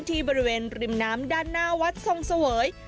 ที่บริเวณริมน้ำด้านหน้าวัดทรงเสวย